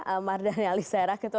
ammar danieli serak itu